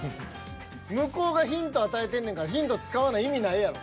向こうがヒント与えてんねんからヒント使わな意味ないやろ。